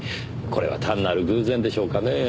これは単なる偶然でしょうかねぇ？